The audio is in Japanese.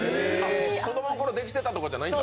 子供の頃できてたとかじゃないんだ。